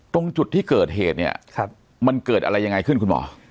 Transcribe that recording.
ตรงจุดที่เกิดเหตุเนี่ยมันเกิดอะไรยังไงขึ้นคุณหมอ